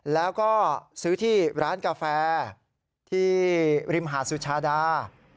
แล้วก็ซื้อที่ร้านกาแฟที่ริมหาดสุชาดา